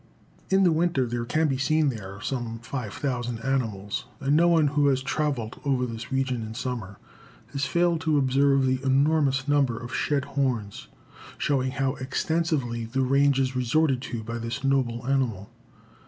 In the winter there can be seen there some 5,000 animals, and no one who has traveled over this region in summer has failed to observe the enormous number of shed horns, showing how extensively the range is resorted to by this noble animal.